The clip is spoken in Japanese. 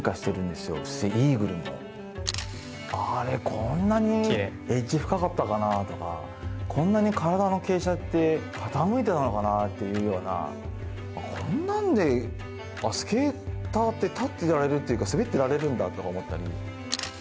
こんなにエッジ深かったのかとかこんなに体の傾斜って傾いてたのかなというようなこんなのでスケーターって立ってられるというか滑っていられるんだと思ったり。